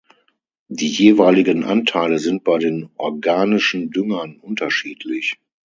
Die jeweiligen Anteile sind bei den organischen Düngern unterschiedlich.